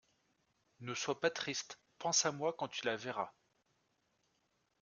Ne sois pas triste, pense à moi quand tu la verras.